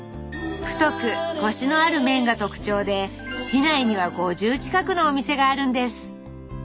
太くコシのある麺が特徴で市内には５０近くのお店があるんです。